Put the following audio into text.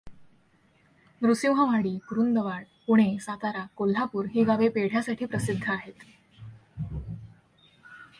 नृसिंहवाडी, कुरुंदवाड, पुणे, सातारा, कोल्हापुर ही गावे पेढ्यासाठी प्रसिद्ध आहेत.